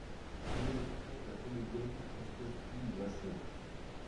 Il est le frère de la comédienne Françoise Pinkwasser.